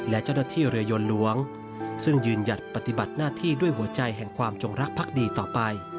และเจ้าหน้าที่เรือยนหลวงซึ่งยืนหยัดปฏิบัติหน้าที่ด้วยหัวใจแห่งความจงรักภักดีต่อไป